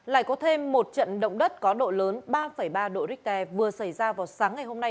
lại có thêm một trận động đất có độ lớn ba ba độ richter vừa xảy ra vào sáng ngày hôm nay